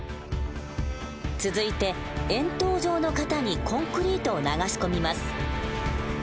続いて円筒状の型にコンクリートを流し込みます。